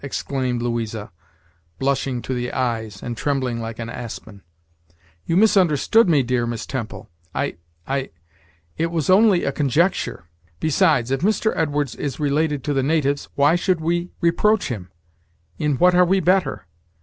exclaimed Louisa, blushing to the eyes, and trembling like an aspen; "you misunderstood me, dear Miss Temple; I I it was only a conjecture. Besides, if Mr. Edwards is related to the natives why should we reproach him? In what are we better?